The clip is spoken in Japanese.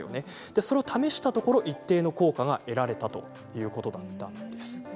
それを試したことで一定の効果が得られたということです。